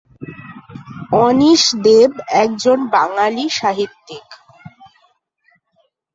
অনীশ দেব একজন বাঙালি সাহিত্যিক।